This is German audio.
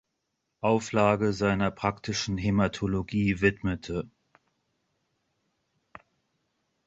Auflage seiner praktischen Hämatologie widmete.